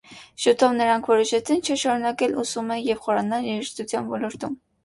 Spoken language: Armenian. Շուտով նրանք որոշեցին չշարունակել ուսումը և խորանալ երաժշտության ոլորտում։